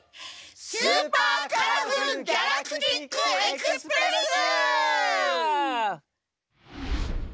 「スーパーカラフルギャラクティックエクスプレス」！